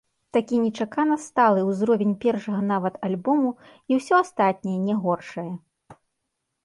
Такі нечакана сталы ўзровень першага нават альбому і ўсё астатняе не горшае.